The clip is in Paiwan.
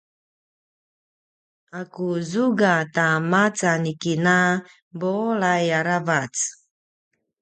a ku zuga ta maca ni kina bulai aravac